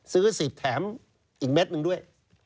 ซื้อ๑๐แถมอีกเม็ดนึงด้วย